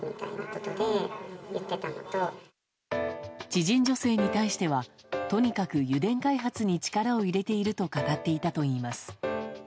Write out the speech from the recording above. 知人女性に対してはとにかく油田開発に力を入れていると語っていたといいます。